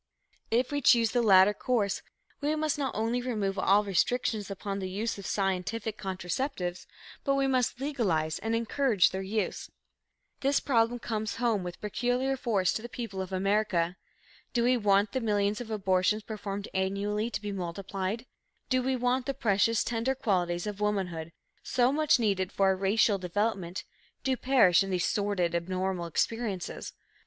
If we choose the latter course, we must not only remove all restrictions upon the use of scientific contraceptives, but we must legalize and encourage their use. This problem comes home with peculiar force to the people of America. Do we want the millions of abortions performed annually to be multiplied? Do we want the precious, tender qualities of womanhood, so much needed for our racial development, to perish in these sordid, abnormal experiences?